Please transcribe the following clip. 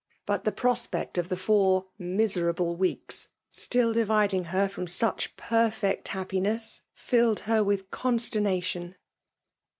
But the prospect of the four miserable weeks still dividing her from such perfect happiness, filled her with consternation.